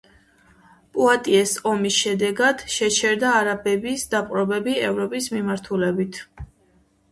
პუატიეს ომის შედეგად შეჩერდა არაბების დაპყრობები ევროპის მიმართულებით.